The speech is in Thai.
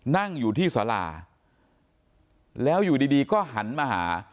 นั่งอยู่ที่สาราแล้วอยู่ดีก็หันมาหา